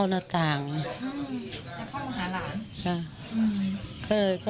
ส่วนนางสุธินนะครับบอกว่าไม่เคยคาดคิดมาก่อนว่าบ้านเนี่ยจะมาถูกภารกิจนะครับ